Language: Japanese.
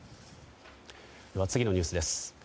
次のニュースです。